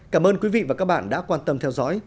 cảm ơn quý vị và các bạn đã quan tâm theo dõi